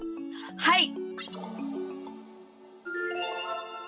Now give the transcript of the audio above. はい！